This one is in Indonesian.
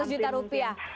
seratus juta rupiah